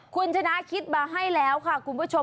คุณชนะคิดมาให้แล้วค่ะคุณผู้ชม